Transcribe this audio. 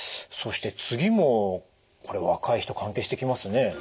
そして次もこれ若い人関係してきますね。